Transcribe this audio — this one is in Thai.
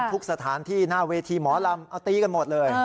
สถานที่หน้าเวทีหมอลำเอาตีกันหมดเลย